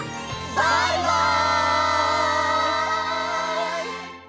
バイバイ！